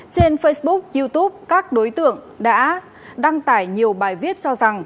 trên facebook youtube các đối tượng đã đăng tải nhiều bài viết cho rằng